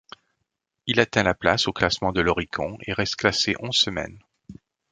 Il atteint la place au classement de l'Oricon et reste classé onze semaines.